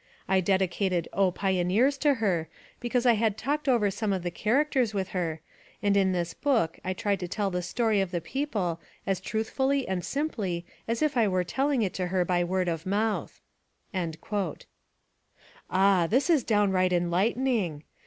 I dedicated O Pioneers! to her because I had talked over some of the characters with her, and in this book I tried to tell the story of the people as truthfully and simply as if I were telling it to her by word of mouth." Ah! This is downright enlightening.